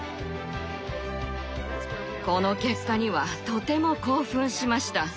この結果にはとても興奮しました。